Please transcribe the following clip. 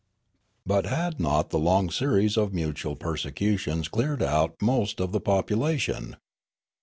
" But had not the long series of mutual persecutions cleared out most of the population